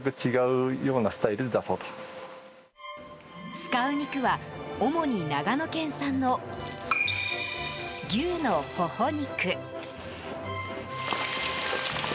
使う肉は主に長野県産の牛のほほ肉。